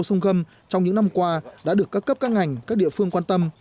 sông gâm trong những năm qua đã được các cấp các ngành các địa phương quan tâm